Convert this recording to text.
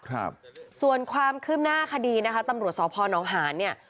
ครับส่วนความคืบหน้าคดีนะคะตำรวจสพนหานเนี่ย